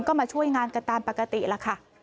ก็มาช่วยงานกันตามปกติล่ะค่ะ